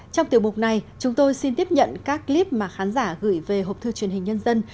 trong tiểu mục này chúng tôi xin tiếp nhận các clip mà khán giả gửi về học thư truyền hình nhân dân